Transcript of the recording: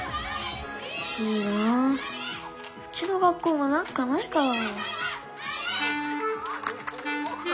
いいなうちの学校もなんかないかな。